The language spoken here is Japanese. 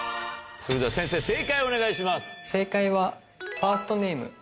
それでは先生正解をお願いします。